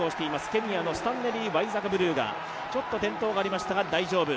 ケニアのスタンネリー・ワイザカ・ブルーが、ちょっと転倒がありましたが大丈夫